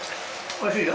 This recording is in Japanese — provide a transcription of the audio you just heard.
おいしいよ。